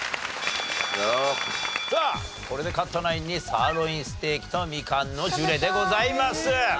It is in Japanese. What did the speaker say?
さあこれで勝ったナインにサーロインステーキとみかんのジュレでございます。